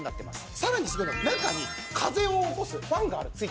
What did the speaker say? さらにすごいのが中に風を起こすファンがついてるわけなんです。